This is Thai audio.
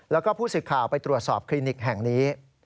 แล้วก็ผู้สื่อข่าวไปตรวจสอบคลินิกแห่งนี้